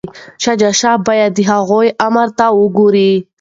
شاه شجاع باید د هغوی امر ته ګوري.